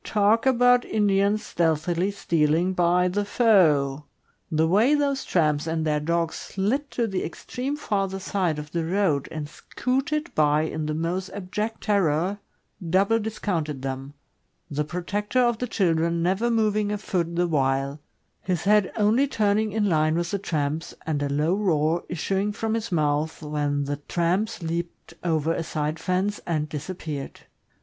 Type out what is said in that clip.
Talk about Indians stealthily stealing by the foe! The way those tramps and their dog " slid" to the extreme farther side of the road, and " scooted " by in the most abject terror, double discounted them, the protector of the children never moving a foot the while, his head only turning in line with the tramps, and a low roar issuing from his mouth when the tramps leaped over a side fence and disappeared.